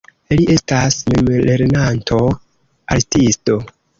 Li estas memlernanto artisto.